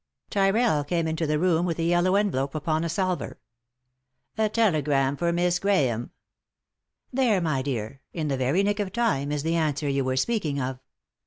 Tyrrell came into the room with a yellow envelope upon a salver. "A telegram for Miss Grabarae." " There, my dear, in the very nick of time, is the answer you were speaking of."